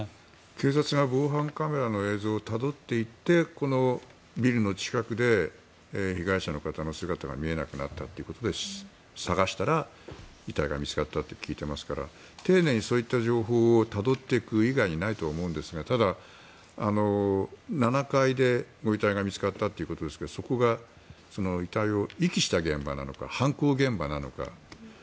警察が防犯カメラの映像をたどっていってこのビルの近くで被害者の方の姿が見えなくなったということで捜したら、遺体が見つかったと聞いていますから丁寧にそういった情報をたどっていく以外にないと思うんですがただ、７階でご遺体が見つかったということですがそこが遺体を遺棄した現場なのか犯行現場なのか。